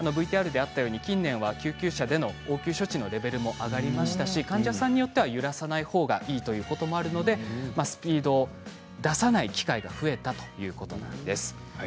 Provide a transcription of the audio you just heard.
ＶＴＲであったように近年では救急車での応急処置のレベルは上がっていますし患者さんを揺らさないほうがいいということもあるのでスピードを出さない機会が増えたということなんです。